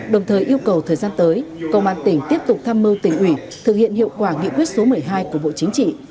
đồng thời yêu cầu thời gian tới công an tỉnh tiếp tục tham mưu tỉnh ủy thực hiện hiệu quả nghị quyết số một mươi hai của bộ chính trị